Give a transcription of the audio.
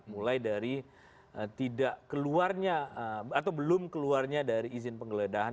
mulai dari tidak keluarnya atau belum keluarnya dari izin penggeledahan